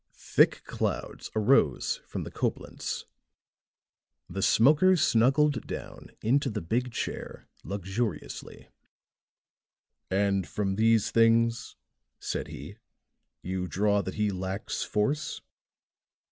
Thick clouds arose from the Coblentz; the smoker snuggled down into the big chair luxuriously. "And from these things," said he, "you draw that he lacks force?"